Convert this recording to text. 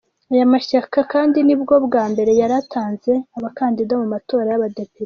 Aya mashyaka kandi ni bwo bwa mbere yari atanze abakandida mu matora y’abadepite.